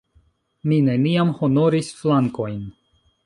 Mi neniam honoris flankojn.